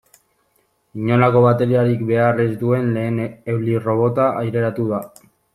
Inolako bateriarik behar ez duen lehen eulirrobota aireratu da.